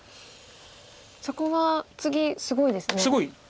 そこは次すごいですね。